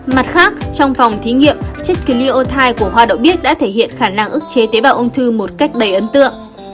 mặt khác trong phòng thí nghiệm chất cliotide của hoa đậu biếc đã thể hiện khả năng ức chế tế bào ung thư một cách đầy ấn tượng